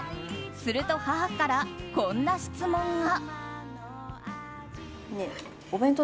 すると母からこんな質問が。